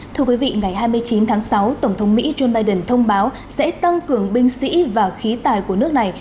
thưa quý vị ngày hai mươi chín tháng sáu tổng thống mỹ joe biden thông báo sẽ tăng cường binh sĩ và khí tài của nước này